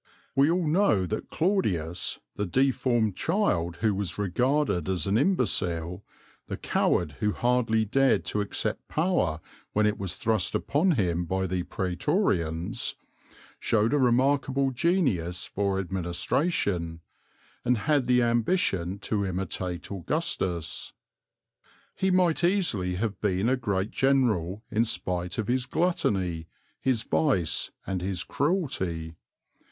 We all know that Claudius, the deformed child who was regarded as an imbecile, the coward who hardly dared to accept power when it was thrust upon him by the Prætorians, showed a remarkable genius for administration, and had the ambition to imitate Augustus. He might easily have been a great general in spite of his gluttony, his vice, and his cruelty.